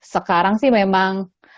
sekarang sih memang